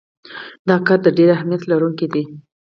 دا کار د ډیر اهمیت لرونکی دی.